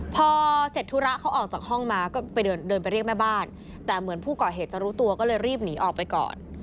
พอเสร็จธุระเขาออกจากห้องมาก็ไปเดินไปเรียกแม่บ้านแต่เหมือนผู้ก่อเหตุจะรู้ตัวก็เลยรีบหนีออกไปก่อน